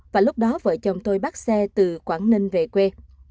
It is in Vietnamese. và lúc đó vợ chồng tôi bắt xe từ quảng ninh về quê